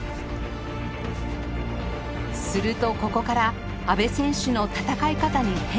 するとここから阿部選手の戦い方に変化が。